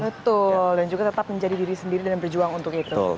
betul dan juga tetap menjadi diri sendiri dan berjuang untuk itu